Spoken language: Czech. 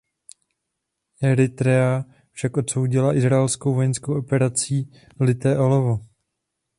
Eritrea však odsoudila izraelskou vojenskou operaci Lité olovo.